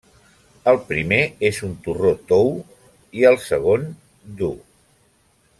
El primer és un torró tou i el segon dur.